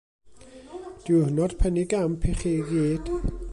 Diwrnod penigamp i chi i gyd.